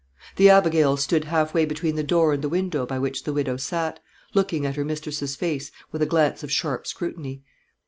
The Abigail stood halfway between the door and the window by which the widow sat, looking at her mistress's face with a glance of sharp scrutiny.